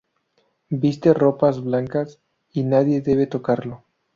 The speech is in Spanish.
Viste ropas blancas y nadie debe tocarlo.